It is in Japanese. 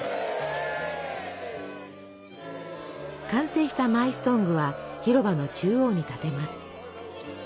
完成したマイストングは広場の中央に立てます。